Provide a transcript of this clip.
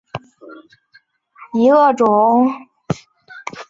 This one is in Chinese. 小震旦光介为半花介科震旦光介属下的一个种。